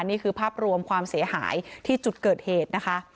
นี่คือภาพรวมความเสียหายที่จุดเกิดเหตุนะคะ